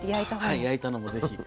はい焼いたのもぜひ。